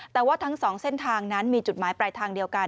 แต่ว่าทั้งสองเส้นทางนั้นมีจุดหมายปลายทางเดียวกัน